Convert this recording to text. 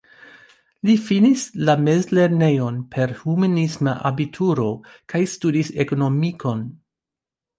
Li finis la mezlernejon per humanisma abituro kaj studis ekonomikon.